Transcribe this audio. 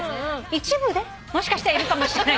一部でもしかしたらいるかもしれないけど。